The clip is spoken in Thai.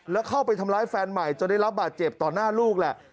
แล้วเข้าไปทำร้ายแฟนใหม่จนได้รับบาดเจ็บต่อหน้าลูกแหละ